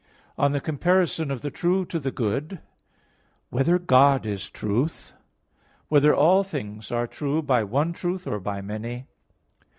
(4) On the comparison of the true to the good. (5) Whether God is truth? (6) Whether all things are true by one truth, or by many?